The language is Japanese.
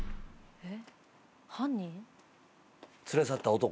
えっ？